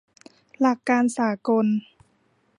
หลักการสากล